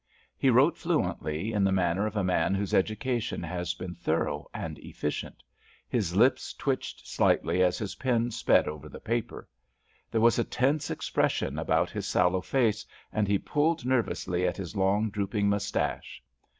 He wrote fluently, in the manner of a man whose education has been thorough and efficient. His lips twitched slightly as his pen sped over the paper. There was a tense expression upon his sallow face, and he pulled nervously at his long, drooping moustache.